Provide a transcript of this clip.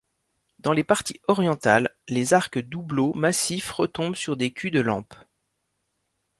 Dans les parties orientales, les arcs doubleaux massifs retombent sur des culs-de-lampes.